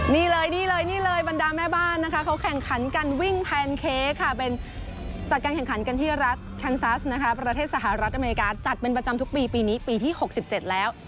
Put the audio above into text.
นี่เลยนี่เลยนี่เลยบรรดาแม่บ้านนะคะเขาแข่งขันกันวิ่งแพนเค้กค่ะเป็นจัดการแข่งขันกันที่รัฐแคนซัสนะคะประเทศสหรัฐอเมริกาจัดเป็นประจำทุกปีปีนี้ปีที่๖๗แล้ว